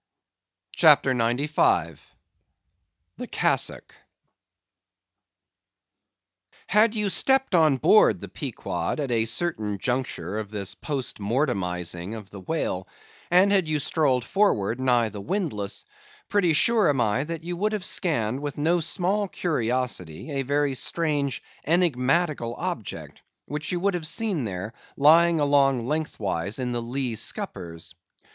CHAPTER 95. The Cassock. Had you stepped on board the Pequod at a certain juncture of this post mortemizing of the whale; and had you strolled forward nigh the windlass, pretty sure am I that you would have scanned with no small curiosity a very strange, enigmatical object, which you would have seen there, lying along lengthwise in the lee scuppers.